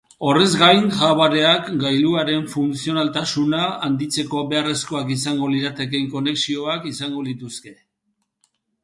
Horrez gain, hardwareak gailuaren funtzionaltasuna handitzeko beharrezkoak izango liratekeen konexioak izango lituzke.